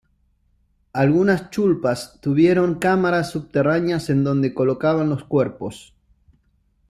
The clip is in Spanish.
Algunas chullpas tuvieron cámaras subterráneas en donde colocaban los cuerpos.